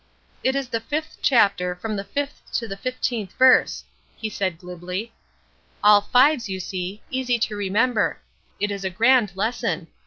"It is the fifth chapter, from the fifth to the fifteenth verse," he said, glibly. "All fives, you see. Easy to remember. It is a grand lesson.